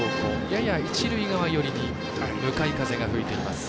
やや一塁側寄りに向かい風が吹いています。